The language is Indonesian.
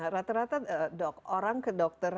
rata rata dok orang ke dokter